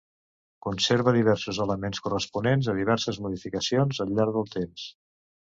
Conserva diversos elements corresponents a diverses modificacions al llarg del temps.